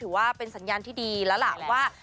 ถือว่าเป็นสัญญาณที่ดีแล้วล่ะว่า